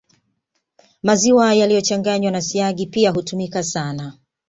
Maziwa yaliyochanganywa na siagi pia hutumika sana